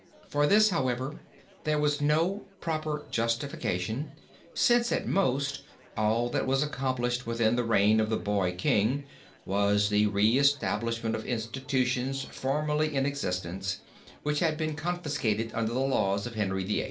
For this, however, there was no proper justification, since, at most, all that was accomplished within the reign of the boy king, was the reestablishment of institutions formerly in existence which had been confiscated under the laws of Henry VIII.